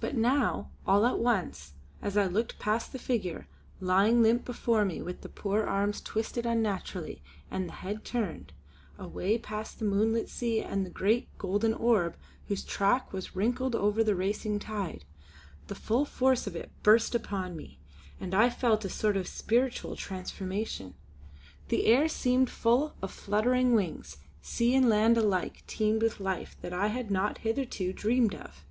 But now, all at once, as I looked past the figure, lying limp before me with the poor arms twisted unnaturally and the head turned away past the moonlit sea and the great, golden orb whose track was wrinkled over the racing tide, the full force of it burst upon me, and I felt a sort of spiritual transformation. The air seemed full of fluttering wings; sea and land alike teemed with life that I had not hitherto dreamed of.